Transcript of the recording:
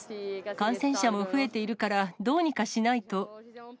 感染者も増えているからどうにかしないと。